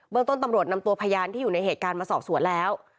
เมืองต้นตำรวจนำตัวพยานที่อยู่ในเหตุการณ์มาสอบสวนแล้ว